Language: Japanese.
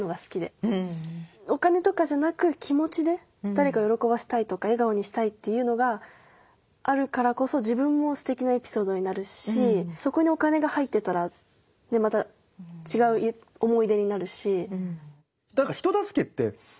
お金とかじゃなく気持ちで誰かを喜ばせたいとか笑顔にしたいというのがあるからこそ自分もすてきなエピソードになるしそこにお金が入ってたらねまた違う思い出になるし。